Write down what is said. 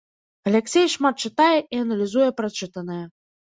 Аляксей шмат чытае і аналізуе прачытанае.